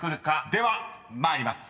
では参ります。